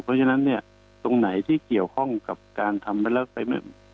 เพราะฉะนั้นเนี่ยตรงไหนที่เกี่ยวข้องกับการทำไปแล้วเต็ม